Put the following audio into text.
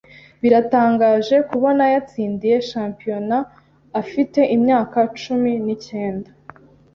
Biratangaje kubona yatsindiye championat afite imyaka cumi n'icyenda.